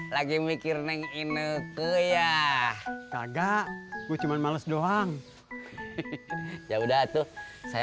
lagi mikir neng inuku ya kagak cuma males doang ya udah tuh saya